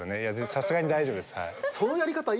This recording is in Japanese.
さすがに大丈夫ですはい。